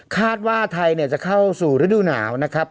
คาดว่าไทยจะเข้าสู่ฤดูหนาวนะครับ